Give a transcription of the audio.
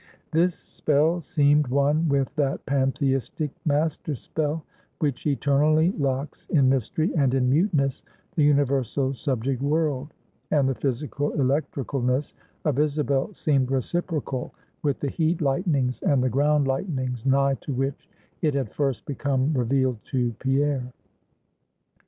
This spell seemed one with that Pantheistic master spell, which eternally locks in mystery and in muteness the universal subject world, and the physical electricalness of Isabel seemed reciprocal with the heat lightnings and the ground lightnings nigh to which it had first become revealed to Pierre.